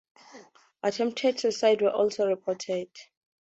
Attempted suicides were also reported.